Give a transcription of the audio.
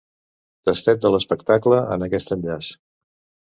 Tastet de l'espectacle en aquest enllaç.